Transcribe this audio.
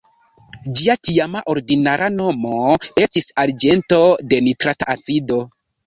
Ĝia tiama ordinara nomo estis arĝento de nitrata acido.